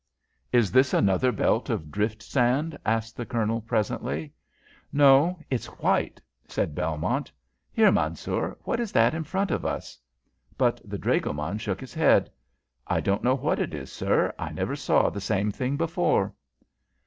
"Is this another belt of drift sand?" asked the Colonel, presently. "No, it's white," said Belmont. "Here, Mansoor, what is that in front of us?" But the dragoman shook his head. "I don't know what it is, sir. I never saw the same thing before."